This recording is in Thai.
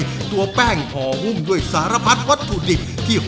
ไม่เคยครับ